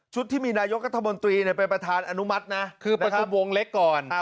ชุดที่มีนายกรรมกรรมนตรีเนี่ยเป็นประธานอนุมัตินะคือประชุมวงเล็กก่อนอ่า